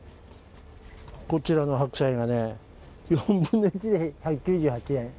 こちらの白菜がね、４分の１で１９８円。